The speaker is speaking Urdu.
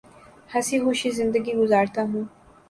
ہنسی خوشی زندگی گزارتا ہوں